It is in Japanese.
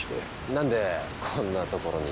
何でこんな所に？